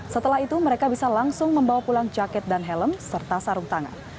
setelah itu mereka bisa langsung membawa pulang jaket dan helm serta sarung tangan